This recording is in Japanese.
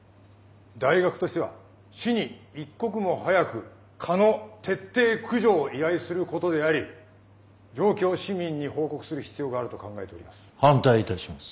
大学としては市に一刻も早く蚊の徹底駆除を依頼することであり状況を市民に報告する必要があると考えております。